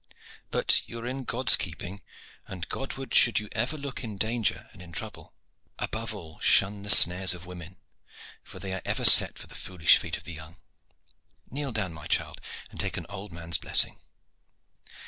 But you are in God's keeping, and Godward should you ever look in danger and in trouble. Above all, shun the snares of women, for they are ever set for the foolish feet of the young. Kneel down, my child, and take an old man's blessing."